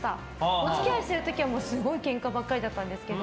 お付き合いしている時はけんかばっかりだったんですけど。